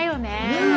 ねえ。